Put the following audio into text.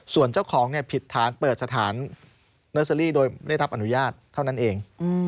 ส่วนเจ้าของผิดฐานเปิดสถานเนอร์เซอรี่โดยไม่ได้รับอนุญาตเท่านั้นเอง